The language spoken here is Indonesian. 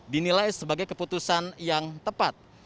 dinilai sebagai keputusan yang tepat